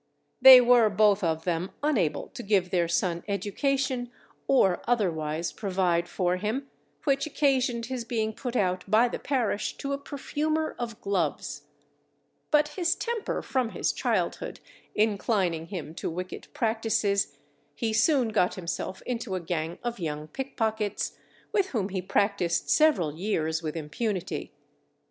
They were both of them unable to give their son education or otherwise provide for him, which occasioned his being put out by the parish to a perfumer of gloves; but his temper from his childhood inclining him to wicked practices, he soon got himself into a gang of young pickpockets, with whom he practised several years with impunity.